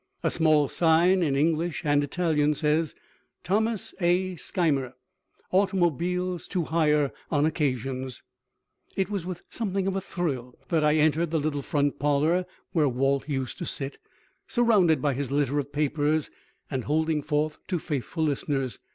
A small sign, in English and Italian, says: Thomas A. Skymer, Automobiles to Hire on Occasions. It was with something of a thrill that I entered the little front parlor where Walt used to sit, surrounded by his litter of papers and holding forth to faithful listeners.